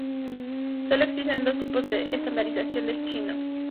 Solo existen dos tipos de estandarización del chino.